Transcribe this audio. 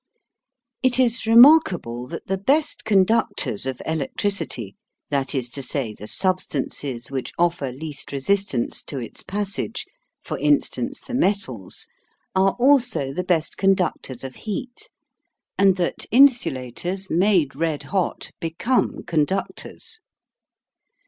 It is remarkable that the best conductors of electricity, that is to say, the substances which offer least resistance to its passage, for instance the metals, are also the best conductors of heat, and that insulators made red hot become conductors.